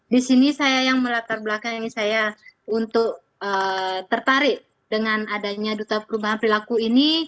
di sini saya yang melatar belakangi saya untuk tertarik dengan adanya duta perubahan perilaku ini